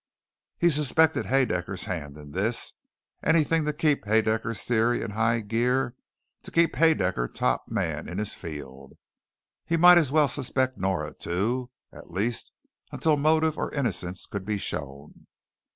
He suspected Haedaecker's hand in this; anything to keep Haedaecker's Theory in high gear, to keep Haedaecker top man in his field. He might as well suspect Nora, too. At least until motive or innocence could be shown.